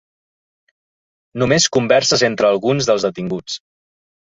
Només converses entre alguns dels detinguts.